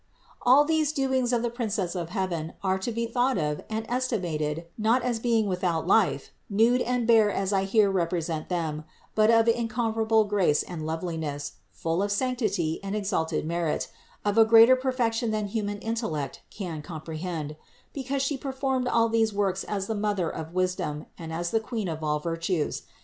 441. All these doings of the Princess of heaven are to be thought of and estimated not as being without life, nude and bare as I here represent them, but of incom parable grace and loveliness, full of sanctity and ex alted merit, of a greater perfection than human intel lect can comprehend; because She performed all these works as the Mother of wisdom, and as the Queen of all virtues.